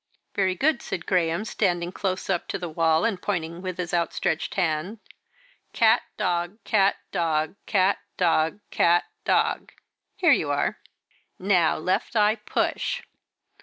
"Very good," said Graham, standing close up to the wall and pointing with his outstretched hand, "Cat dog cat dog cat dog cat dog here you are." "Now, 'left eye push.'"